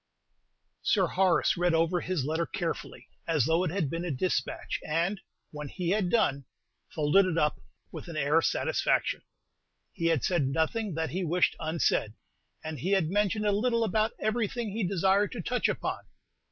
Sir Horace read over his letter carefully, as though it had been a despatch, and, when he had done, folded it up with an air of satisfaction. He had said nothing that he wished unsaid, and he had mentioned a little about everything he desired to touch upon.